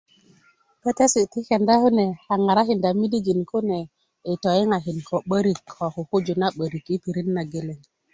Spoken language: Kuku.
Petesi' ti krnda kune a ŋarakinda midijin kune yi toyiŋakin ko 'börik ko kukuju na 'börik